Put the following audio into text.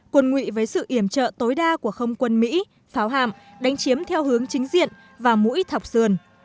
quân ngụy với sự iểm trợ tối đa của không quân mỹ pháo hạm đánh chiếm theo hướng chính diện và mũi thọc sườn